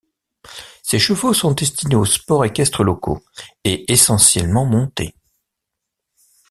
Ces chevaux sont destinés aux sports équestres locaux, et essentiellement montés.